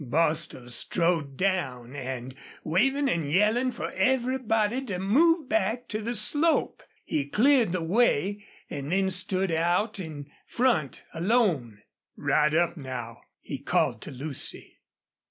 Bostil strode down and, waving and yelling for everybody to move back to the slope, he cleared the way and then stood out in front alone. "Ride up, now," he called to Lucy.